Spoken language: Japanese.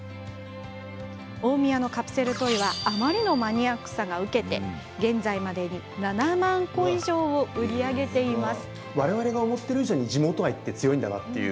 大宮のカプセルトイはあまりのマニアックさが受けて現在までに７万個以上を売り上げています。